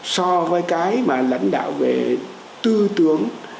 so với cái mà lãnh đạo về tư tưởng